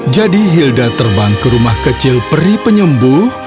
jadi hilda terbang ke rumah kecil pri penyembuh